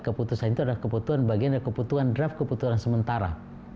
keputusan itu adalah kebutuhan bagian dari kebutuhan draft keputusan sementara